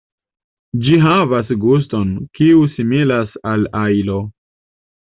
Ĝi havas guston, kiu similas al ajlo.